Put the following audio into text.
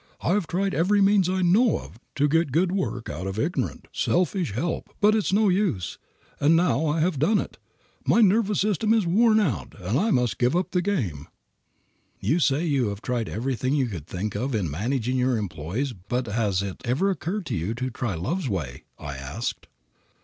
I have tried every means I know of to get good work out of ignorant, selfish help, but it is no use, and now I have done with it. My nervous system is worn out and I must give up the game." "You say you have tried everything you could think of in managing your employees, but has it ever occurred to you to try Love's way?" I asked.